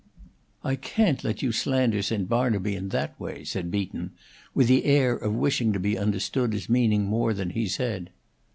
"I can't let you slander St. Barnaby in that way," said Beaton, with the air of wishing to be understood as meaning more than he said.